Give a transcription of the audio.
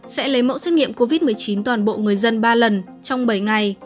sẽ lấy mẫu xét nghiệm covid một mươi chín toàn bộ người dân ba lần trong bảy ngày